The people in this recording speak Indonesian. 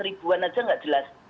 seribuan saja nggak jelas